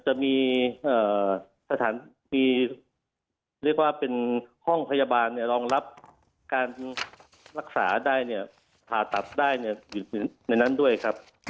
จะมีสถานที่เรียกว่าเป็นห้องพยาบาลรองรับการรักษาได้เนี่ยผ่าตัดได้อยู่ในนั้นด้วยครับ